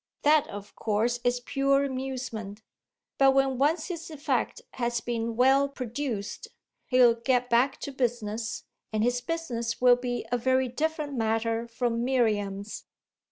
That of course is pure amusement; but when once his effect has been well produced he'll get back to business, and his business will be a very different matter from Miriam's.